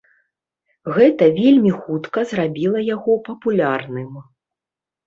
Гэта вельмі хутка зрабіла яго папулярным.